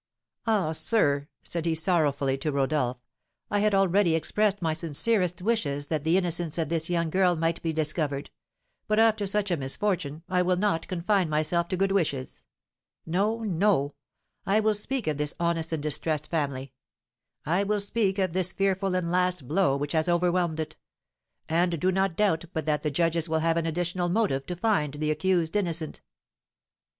"Ah, sir," said he sorrowfully to Rodolph, "I had already expressed my sincerest wishes that the innocence of this young girl might be discovered; but after such a misfortune I will not confine myself to good wishes, no, no! I will speak of this honest and distressed family; I will speak of this fearful and last blow which has overwhelmed it; and do not doubt but that the judges will have an additional motive to find the accused innocent."